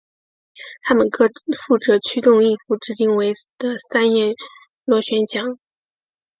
它们各负责驱动一副直径为的三叶螺旋桨。